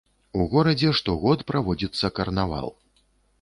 У горадзе штогод праводзіцца карнавал.